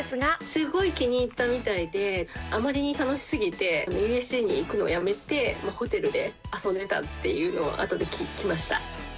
すごい気に入ったみたいで、あまりに楽しすぎて、ＵＳＪに行くのをやめて、ホテルで遊んでたっていうのを、あとで聞きました。